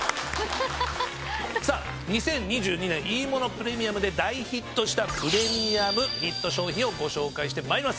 さあ２０２２年「いいものプレミアム」で大ヒットしたプレミアムヒット商品をご紹介してまいります。